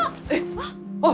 あっ！